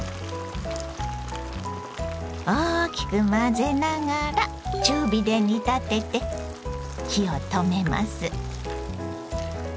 大きく混ぜながら中火で煮立てて火を止めます。